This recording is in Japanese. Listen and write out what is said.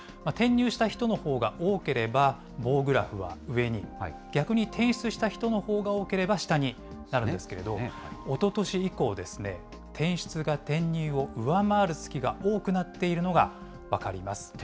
転入した人のほうが多ければ棒グラフは上に、逆に転出した人のほうが多ければ下になるんですけれど、おととし以降ですね、転出が転入を上回る月が多くなっているのが分かります。